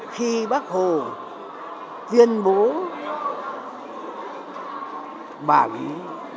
khi bác hồ duyên bố bảo